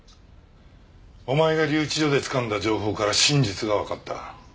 お前が留置場でつかんだ情報から真実がわかった。